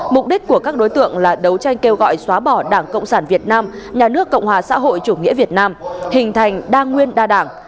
mục đích của các đối tượng là đấu tranh kêu gọi xóa bỏ đảng cộng sản việt nam nhà nước cộng hòa xã hội chủ nghĩa việt nam hình thành đa nguyên đa đảng